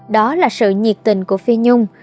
đó là sự nhiệt tình của phi nhung